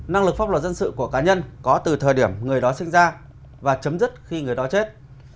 năng lực pháp luật dân sự của cá nhân có từ thời điểm người đó sinh ra và chấm dứt khi người đó chết